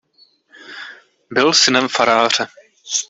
Byl synem faráře.